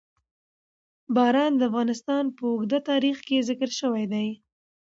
باران د افغانستان په اوږده تاریخ کې ذکر شوي دي.